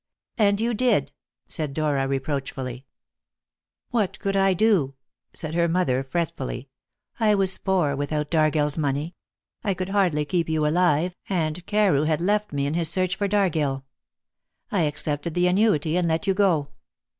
"And you did," said Dora reproachfully. "What could I do?" said her mother fretfully. "I was poor without Dargill's money. I could hardly keep you alive, and Carew had left me in his search for Dargill. I accepted the annuity and let you go.